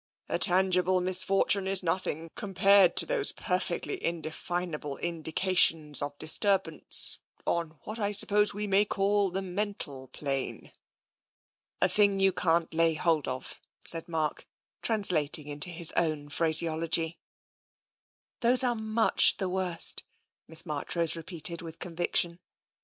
"A tangible misfortune is nothing, compared to those perfectly indefinable indications of disturbance on what I suppose we may call the mental plane." " A thing you can't lay hold of," said Mark, trans lating into his own phraseology. " Those are much the worst," Miss Marchrose re peated, with conviction.